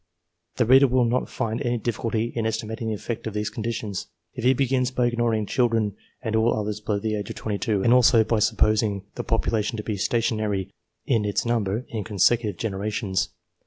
The reader will not find any difficulty in estimating the effect of these conditions, if he begins by ignoring children and all others below the age of 22, and also by supposing the population to be stationary in its number, in con secutive generations.